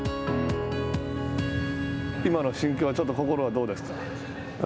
今の心境は、ちょっと心はどうですか。